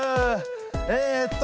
えっと